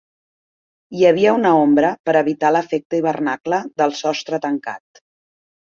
Hi havia una ombra per evitar l'efecte hivernacle del sostre tancat.